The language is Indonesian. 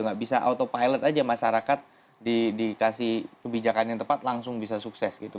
nggak bisa autopilot aja masyarakat dikasih kebijakan yang tepat langsung bisa sukses gitu